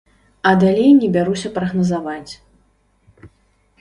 А далей не бяруся прагназаваць.